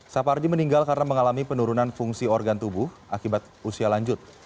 sapardi meninggal karena mengalami penurunan fungsi organ tubuh akibat usia lanjut